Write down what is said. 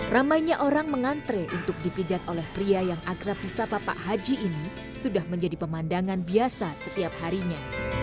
ramainya orang mengantre untuk dipijat oleh pria yang agra prisa papa haji ini sudah menjadi pemandangan biasa setiap harinya